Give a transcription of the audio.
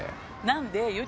なんで？